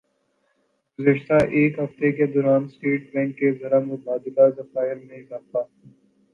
گزشتہ ایک ہفتہ کے دوران اسٹیٹ بینک کے زرمبادلہ ذخائر میں اضافہ